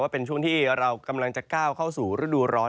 เป็นช่วงที่เรากำลังจะก้าวเข้าสู่ฤดูร้อน